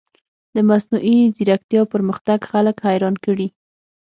د مصنوعي ځیرکتیا پرمختګ خلک حیران کړي.